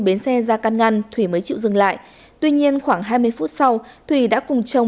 bến xe ra can ngăn thủy mới chịu dừng lại tuy nhiên khoảng hai mươi phút sau thùy đã cùng chồng